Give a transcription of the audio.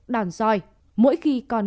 đòn roi mỗi khi còn